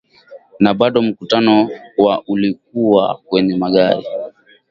na bado mkutano wa ulikuwa kwenye magari